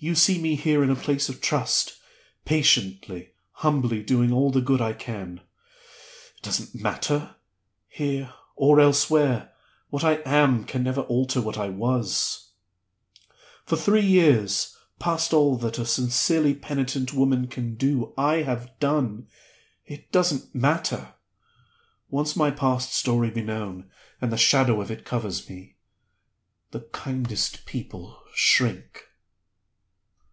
You see me here in a place of trust patiently, humbly, doing all the good I can. It doesn't matter! Here, or elsewhere, what I am can never alter what I was. For three years past all that a sincerely penitent woman can do I have done. It doesn't matter! Once let my past story be known, and the shadow of it covers me; the kindest people shrink."